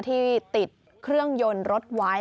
ที่ติดเครื่องยนต์รถไว้